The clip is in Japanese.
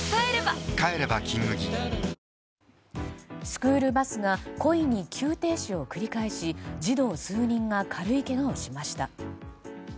スクールバスが故意に急停止を繰り返し児童数人が軽いけがをしました。